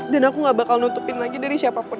dan aku gak bakal nutupin lagi dari siapapun